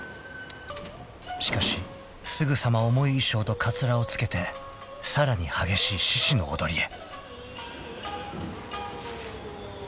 ［しかしすぐさま重い衣装とかつらを着けてさらに激しい獅子の踊りへ］